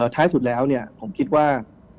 ท้ายสุดแล้วผมคิดว่า